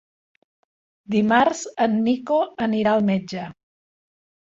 Dimarts en Nico anirà al metge.